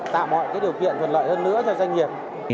tạo mọi điều kiện thuận lợi hơn nữa cho doanh nghiệp